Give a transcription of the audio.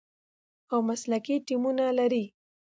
او مسلکي ټیمونه لري،